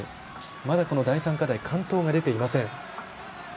まだ、この第３課題完登が出ていません。